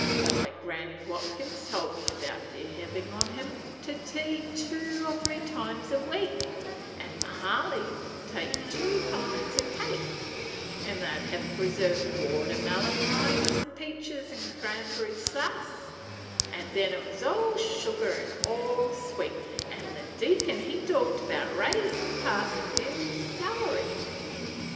Why, Granny Watkins told me about their havin' on him to tea two an' three times a week, an' Mahaley 'd make two kinds o' cake, an' they 'd have preserved watermelon rinds an' peaches an' cranberry saace, an' then 't was all sugar an' all sweet, an' the Deacon he talked bout raisin' Parson Perry's salary.